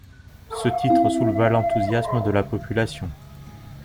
Ce titre souleva l'enthousiasme de la population.